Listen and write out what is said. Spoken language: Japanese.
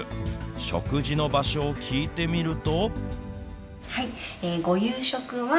食事の場所を聞いてみると。